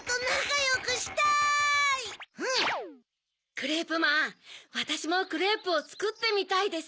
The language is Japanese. クレープマンわたしもクレープをつくってみたいです。